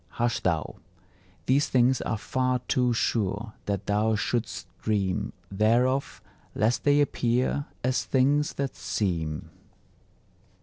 Hush thou! These things are far too sure that thou should'st dream Thereof, lest they appear as things that seem.